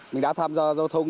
mình đã tham gia giao thông